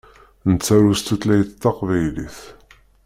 Nettaru s tutlayt taqbaylit.